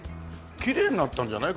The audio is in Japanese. きれいになったんじゃない？